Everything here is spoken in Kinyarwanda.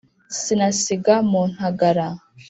sinasiga mu ntagara